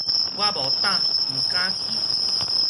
我無膽，毋敢去